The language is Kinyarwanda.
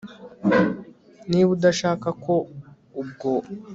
niba udashaka ko ubwo